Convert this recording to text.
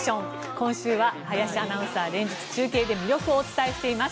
今週は林アナウンサー連日中継で魅力をお伝えしています。